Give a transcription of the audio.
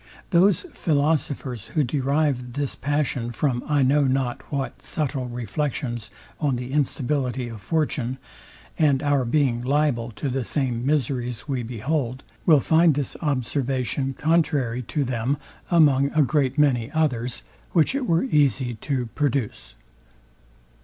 Those philosophers, who derive this passion from I know not what subtile reflections on the instability of fortune, and our being liable to the same miseries we behold, will find this observation contrary to them among a great many others, which it were easy to produce.